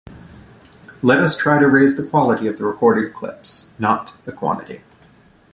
Let us try to raise the quality of the recorded clips, not the quantity.